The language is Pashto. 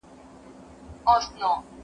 دا په سرور کې ذخيره کړئ.